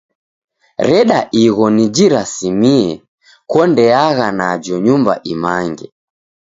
Reda igho nijirasimie kondeagha najo nyumba imange!